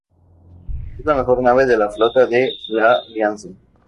Es la mejor nave de la flota de la Alianza.